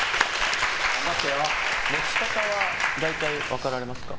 持ち方は大体分かられますか？